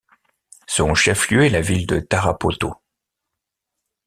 Son chef-lieu est la ville de Tarapoto.